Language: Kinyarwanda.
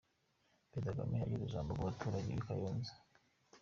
Perezida Kagame ageza ijambo ku baturage b'i Kayonza.